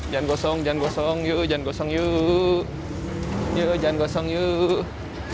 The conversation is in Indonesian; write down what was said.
jangan kosong jangan kosong yuk jangan kosong yuk